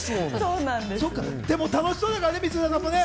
でも楽しそうだからね、光浦さんも。